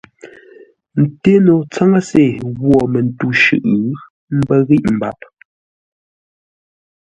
Ńté no tsáŋə́se ghwô mətû shʉʼʉ, ə́ mbə́ ghíʼ mbap.